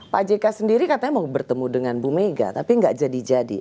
pak jk sendiri katanya mau bertemu dengan bu mega tapi nggak jadi jadi